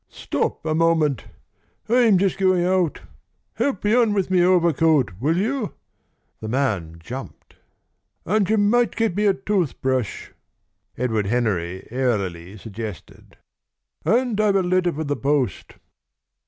"Stop a moment. I'm just going out. Help me on with my overcoat, will you?" The man jumped. "And you might get me a tooth brush," Edward Henry airily suggested. "And I've a letter for the post."